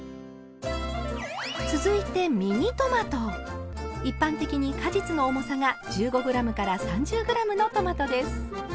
続いて一般的に果実の重さが１５ｇから３０ｇのトマトです。